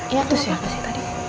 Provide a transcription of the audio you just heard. ya itu siapa sih tadi